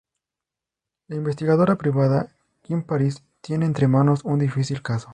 La investigadora privada Kim Paris tiene entre manos un difícil caso.